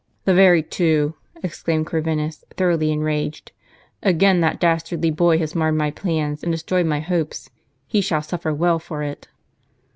"The very two," exclaimed Corvinus, thoroughly enraged. " Again that dastardly boy has marred my plans and destroyed my hopes. He shall suffer well for it."